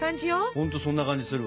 ほんとそんな感じするわ。